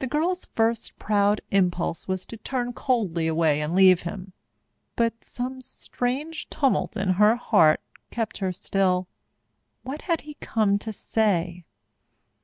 The girl's first proud impulse was to turn coldly away and leave him. But some strange tumult in her heart kept her still. What had he come to say?